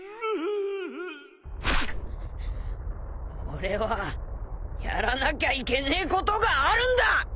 俺はやらなきゃいけねえことがあるんだ！